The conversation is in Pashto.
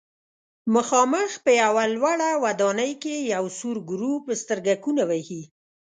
مخامخ په یوه لوړه ودانۍ کې یو سور ګروپ سترګکونه وهي.